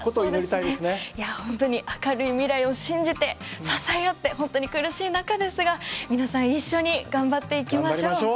いや本当に明るい未来を信じて支え合って本当に苦しい中ですが皆さん一緒に頑張っていきましょう。